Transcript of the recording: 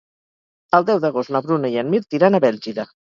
El deu d'agost na Bruna i en Mirt iran a Bèlgida.